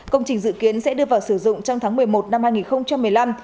công trình dự kiến sẽ đưa vào sử dụng trong tháng một mươi một năm hai nghìn một mươi năm